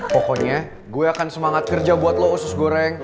pokoknya gue akan semangat kerja buat lo usus goreng